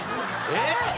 えっ？